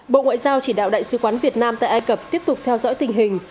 bộ ngoại giao chỉ đạo đại sứ quán việt nam tại ai cập tiếp tục theo dõi tình hình